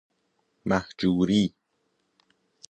مهجوری